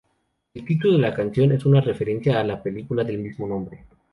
El título de la canción es una referencia a la película del mismo nombre.